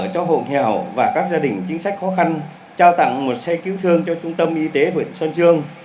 cho hộ nghèo và các gia đình chính sách khó khăn trao tặng một xe cứu thương cho trung tâm y tế huyện sơn dương